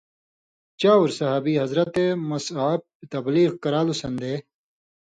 چاور صحابی حضرت مصعبؓ تبلیغ کران٘لوۡ سن٘دے،